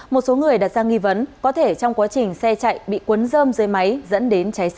một số người đặt ra nghi vấn có thể trong quá trình xe chạy bị cuốn dơm dưới máy dẫn đến cháy xe